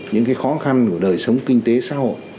những khó khăn của đời sống kinh tế xã hội